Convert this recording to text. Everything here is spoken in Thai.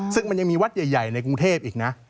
ซึ่งมันยังมีวัดใหญ่ในกรุงเทพอีกนะ